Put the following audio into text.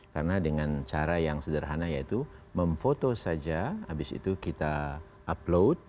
karena dengan cara yang sederhana yaitu memfoto saja habis itu kita upload